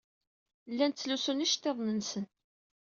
Llan ttlusun iceḍḍiḍen-nsen.